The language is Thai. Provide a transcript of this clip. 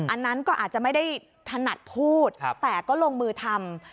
อันนั้นก็อาจจะไม่ได้ถนัดพูดแต่ก็ลงมือทำ